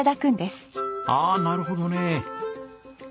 ああなるほどね。